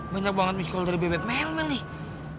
banyak banget miss call dari bebet mel nih